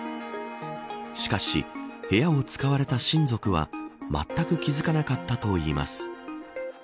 しかし、部屋を使われた親族はまったく気付かなかったといいます。